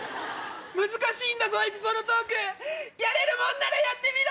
難しいんだぞエピソードトークやれるもんならやってみろ！